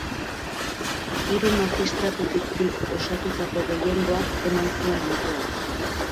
Hiru magistratutik bik osatutako gehiengoak eman zuen autoa.